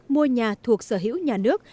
mua nhà thuộc sở hữu nhà nước